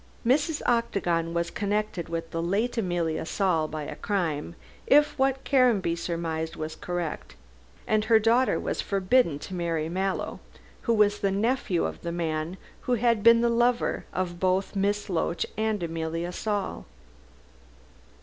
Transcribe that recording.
Mrs. Octagon was connected with the late Emilia Saul by a crime, if what Caranby surmised was correct, and her daughter was forbidden to marry Mallow, who was the nephew of the man who had been the lover both of Miss Loach and Emilia Saul.